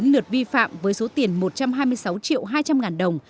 chín lượt vi phạm với số tiền một trăm hai mươi sáu triệu hai trăm linh ngàn đồng